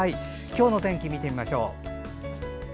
今日の天気、見てみましょう。